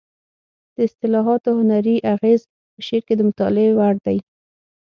د اصطلاحاتو هنري اغېز په شعر کې د مطالعې وړ دی